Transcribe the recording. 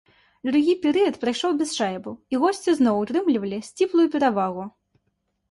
Другі перыяд прайшоў без шайбаў і госці зноў утрымлівалі сціплую перавагу.